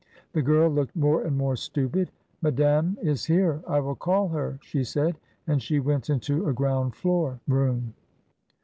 The girl looked more and more stupid. "Ma dame is here, I will call her," she said, and she went into a ground floor room.